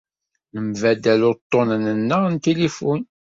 Nembaddal uṭṭunen-nneɣ n tilifun.